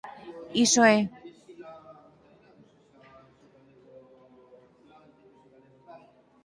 Iso é.